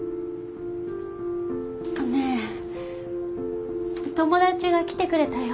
ねえ友だちが来てくれたよ。